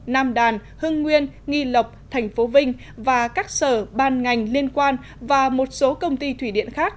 nam đàn hưng nguyên nghi lộc tp vinh và các sở ban ngành liên quan và một số công ty thủy điện khác